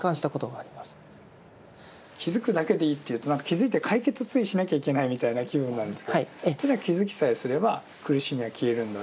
気づくだけでいいというと気づいて解決ついしなきゃいけないみたいな気分になるんですけどただ気づきさえすれば苦しみは消えるんだというところは？